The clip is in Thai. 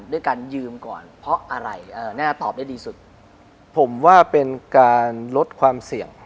ด้วยการยืมก่อนเพราะอะไรแน่ตอบได้ดีสุดผมว่าเป็นการลดความเสี่ยง